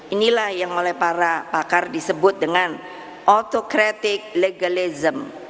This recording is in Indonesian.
inilah yang oleh para pakar disebut dengan autocratic legalism